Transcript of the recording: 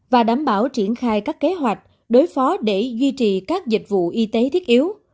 và đảm bảo triển khai các kế hoạch đối phó để duy trì các dịch vụ y tế thiết yếu